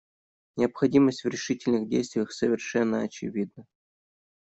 Необходимость в решительных действиях совершенно очевидна.